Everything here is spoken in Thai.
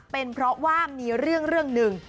เป็นเพราะว่ามีเรื่องหนึ่ง